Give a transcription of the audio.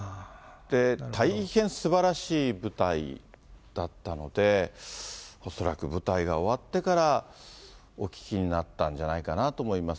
大変すばらしい舞台だったので、恐らく舞台が終わってからお聞きになったんじゃないかなと思います。